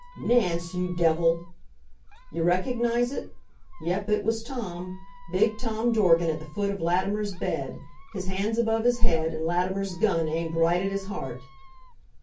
"Nance! you devil!" You recognize it? Yep, it was Tom. Big Tom Dorgan, at the foot of Latimer's bed, his hands above his head, and Latimer's gun aimed right at his heart.